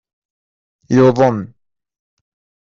Yuḍen.